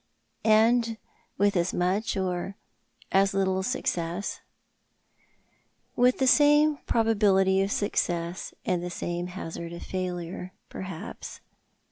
" And with as much, or as little, success." " With the same possibility of success and the same hazard of failure, perhaps."